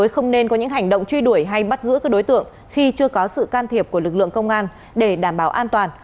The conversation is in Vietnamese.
không nên có những hành động truy đuổi hay bắt giữ các đối tượng khi chưa có sự can thiệp của lực lượng công an để đảm bảo an toàn